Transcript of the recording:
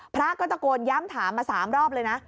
พระก็ตะโกนย้ำถามมา๓รอบเลยนะ